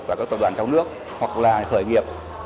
và các tập đoàn trong nước hoặc là khởi nghiệp